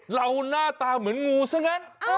หน้าตาเหมือนงูซะงั้น